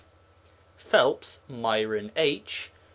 PHELPS, MYRON H.